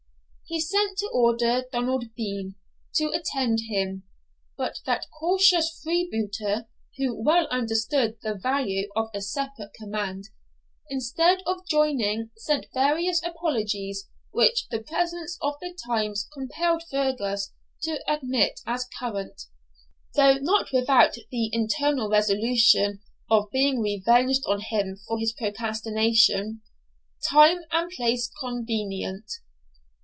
He sent to order Donald Bean to attend him; but that cautious freebooter, who well understood the value of a separate command, instead of joining, sent various apologies which the pressure of the times compelled Fergus to admit as current, though not without the internal resolution of being revenged on him for his procrastination, time and place convenient.